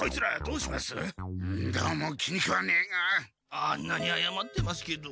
あんなにあやまってますけど。